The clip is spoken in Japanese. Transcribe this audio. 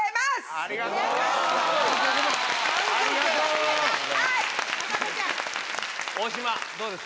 ありがとうございます。